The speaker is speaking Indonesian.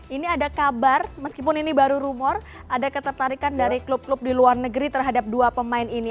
ini ada kabar meskipun ini baru rumor ada ketertarikan dari klub klub di luar negeri terhadap dua pemain ini